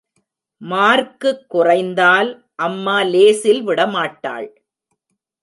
Mark குறைந்தால் அம்மா லேசில் விடமாட்டாள்.